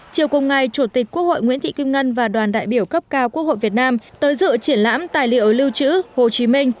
chiều cùng ngày chủ tịch quốc hội nguyễn thị kim ngân và đoàn đại biểu cấp cao quốc hội việt nam tới dự triển lãm tài liệu lưu trữ hồ chí minh